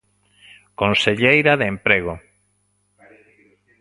Conselleira de Emprego.